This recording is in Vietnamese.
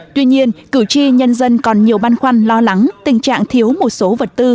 tuy nhiên cử tri nhân dân còn nhiều băn khoăn lo lắng tình trạng thiếu một số vật tư